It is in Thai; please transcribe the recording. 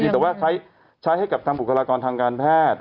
แต่ว่าใช้ให้กับทางบุคลากรทางการแพทย์